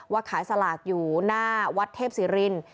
ว่าขายสลากอยู่หน้าวัดเทพศรีรินทร์